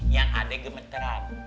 yang adek gemetar